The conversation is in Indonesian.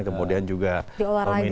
kemudian juga tommy di olahraga